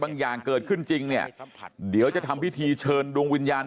อย่างเกิดขึ้นจริงเนี่ยเดี๋ยวจะทำพิธีเชิญดวงวิญญาณ